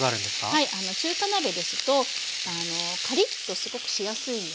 中華鍋ですとカリッとすごくしやすいんですね。